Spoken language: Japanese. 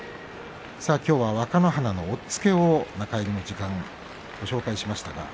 きょうは若乃花の押っつけを中入りの時間にご紹介しました。